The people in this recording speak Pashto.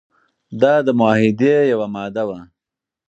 دا د معاهدې یوه ماده وه.